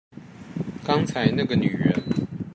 剛才那個女人